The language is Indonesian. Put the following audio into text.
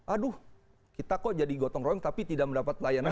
aduh kita kok jadi gotong royong tapi tidak mendapat layanan